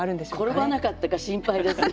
転ばなかったか心配ですね。